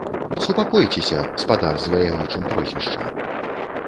Супакойцеся, спадар з ваяўнічым прозвішчам!